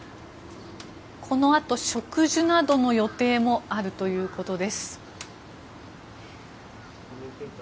このあと植樹などの予定もあるということです。